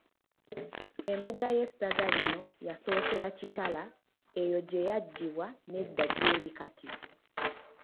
Embuga y’Essaza lino yasookera Kitala eyo gye yaggibwa n’edda gy’eri kati.